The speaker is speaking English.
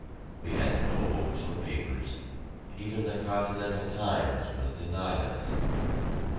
We had no books or papers; even the "Continental Times" was denied us!